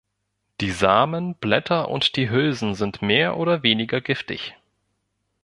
Die Samen, Blätter und die Hülsen sind mehr oder weniger giftig.